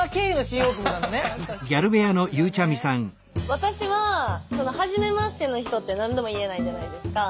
私は初めましての人って何でも言えないじゃないですか。